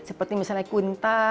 seperti misalnya kuinta